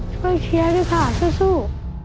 ช่วยเชียร์ด้วยค่ะสู้